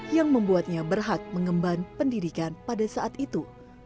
yang membuatnya berhak mengemban pendidikan pada saat itu